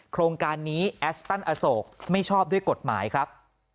โครงการนี้แอสตันอโศกไม่ชอบด้วยกฎหมายครับ